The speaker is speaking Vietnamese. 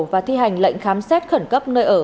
và thi hành lệnh khám xét khẩn cấp nơi ở